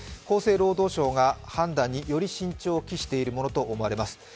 厚生労働省が判断により慎重を期しているものと思われます。